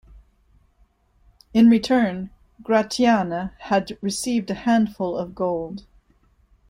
In return, Gratianne had received a handful of gold.